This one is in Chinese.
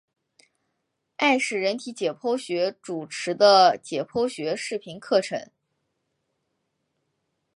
艾氏人体解剖学主持的解剖学视频课程。